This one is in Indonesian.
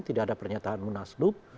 tidak ada pernyataan munaslub